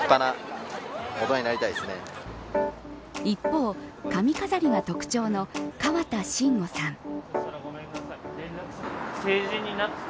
一方、髪飾りが特徴の川田真吾さん。